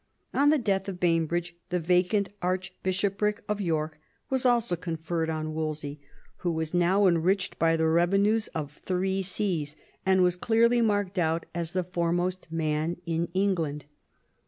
On the death of Bainbridge the vacant archbishopric of York was also conferred on Wolsey, who was now 80 THOMAS WOLSEY chap. enriched by the revenues of three sees, and was clearly marked out as the foremost man in England.